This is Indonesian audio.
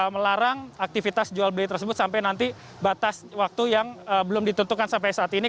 melarang aktivitas jual beli tersebut sampai nanti batas waktu yang belum ditentukan sampai saat ini